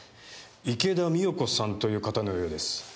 池田美代子さんという方のようです。